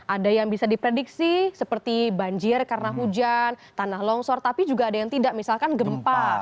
ada yang bisa diprediksi seperti banjir karena hujan tanah longsor tapi juga ada yang tidak misalkan gempa